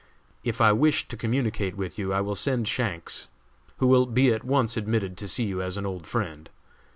If I wish to communicate with you I will send Shanks, who will be at once admitted to see you as an old friend.